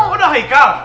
oh udah haika